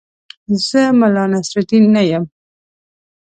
زه ملا نصرالدین نه یم.